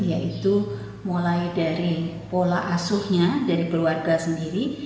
yaitu mulai dari pola asuhnya dari keluarga sendiri